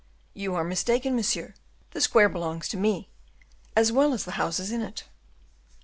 "You are mistaken, monsieur; the square belongs to me, as well as the houses in it."